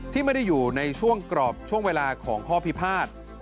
ที่ไม่ได้อยู่ในช่วงกรอบช่วงเวลาของข้อพิพาท